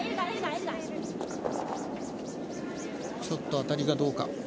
ちょっと当たりがどうか。